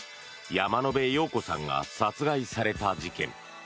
山野辺陽子さんが殺害された事件。